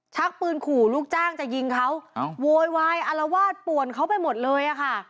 ชักปืนขู่ลูกจ้างจะยิงเขาโวยวายอารวาสป่วนเขาไปหมดเลยอะค่ะ